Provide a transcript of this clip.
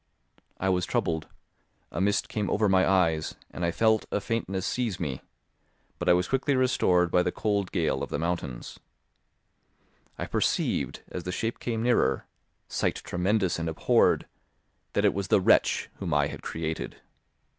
I was troubled; a mist came over my eyes, and I felt a faintness seize me, but I was quickly restored by the cold gale of the mountains. I perceived, as the shape came nearer (sight tremendous and abhorred!) that it was the wretch whom I had created.